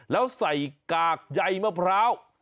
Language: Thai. แล้วใส่กากใยมะพร้าว